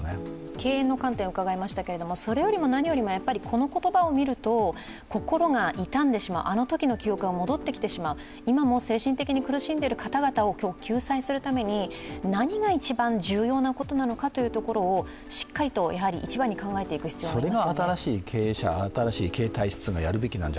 経営の観点を伺いましたけれど、それよりも何よりもこの言葉を見ると心が痛んでしまう、あのときの記憶が戻ってきてしまう、今も精神的に苦しんでいる方々を救済するために何が一番重要なことなのかということをしっかりと一番に考えていく必要がありますね